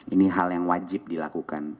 ini hal yang wajib dilakukan